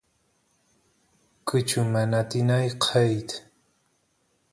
kuchu mana atin ayqeyt